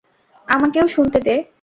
আমাকেও শুনতে দে।